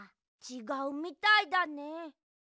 ちがうみたいだね。